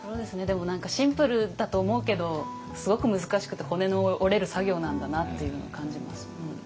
でも何かシンプルだと思うけどすごく難しくて骨の折れる作業なんだなというのを感じます。